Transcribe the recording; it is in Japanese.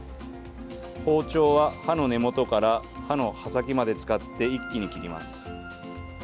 包丁は、刃の根元から刃の刃先まで使って一気に切ります。